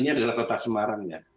ini adalah kota semarang ya